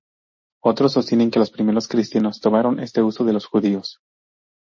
Otros sostienen que los primeros cristianos tomaron este uso de los judíos.